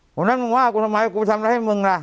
วันนั้นมึงว่ากูทำไมกูทำอะไรให้มึงล่ะ